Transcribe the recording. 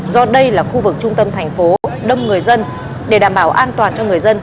do đây là khu vực trung tâm thành phố đông người dân để đảm bảo an toàn cho người dân